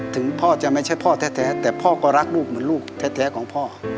ถึงพ่อจะไม่ใช่พ่อแท้แต่พ่อก็รักลูกเหมือนลูกแท้ของพ่อ